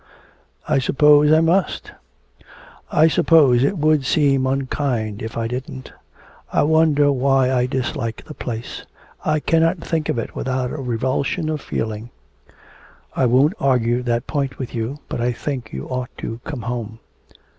'I suppose I must. I suppose it would seem unkind if I didn't. I wonder why I dislike the place? I cannot think of it without a revulsion of feeling.' 'I won't argue that point with you, but I think you ought to come home.'